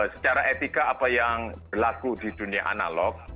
secara etika apa yang berlaku di dunia analog